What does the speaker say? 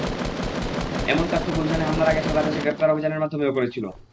এমন কাজ তো গুলশানে হামলার আগে সারা দেশে গ্রেপ্তার অভিযানের মাধ্যমেও করেছিল।